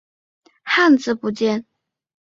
汉字部件。